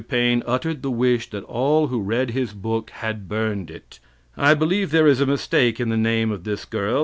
Paine uttered the wish that all who read his book had burned it. I believe there is a mistake in the name of this girl.